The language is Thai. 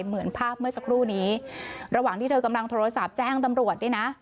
เหมือนภาพเมื่อสักครู่นี้ระหว่างที่เธอกำลังโทรศัพท์แจ้งตำรวจเนี่ยนะ